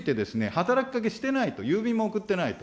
働きかけをしてないと郵便も送ってないと。